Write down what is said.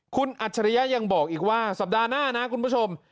คุณอัจฉริยะยังบอกอีกว่าสัปดาห์หน้านะคุณผู้ชม